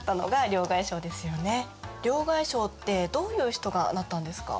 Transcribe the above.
両替商ってどういう人がなったんですか？